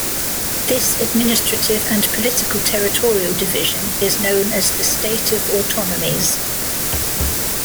This administrative and political territorial division is known as the "State of Autonomies".